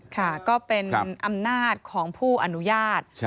ค่ะก็เป็นอำนาจของผู้อนุญาต